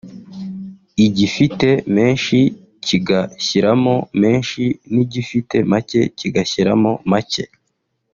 igifite menshi kigashyiramo menshi n’igifite make kigashyiramo make